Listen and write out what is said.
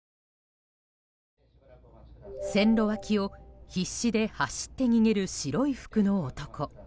線路脇を必死で走って逃げる白い服の男。